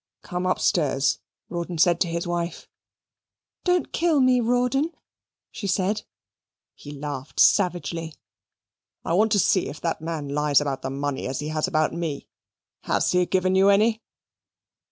"Come upstairs," Rawdon said to his wife. "Don't kill me, Rawdon," she said. He laughed savagely. "I want to see if that man lies about the money as he has about me. Has he given you any?"